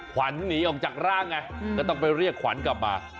ขวัญหนีออกจากร่างไงก็ต้องไปเรียกขวัญกลับมา